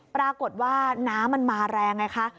ปรากฏว่าน้ำมันมาแรงไงคะ